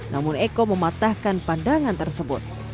namun eko mematahkan pandangan tersebut